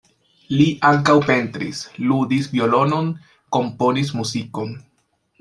Li ankaŭ pentris, ludis violonon, komponis muzikon.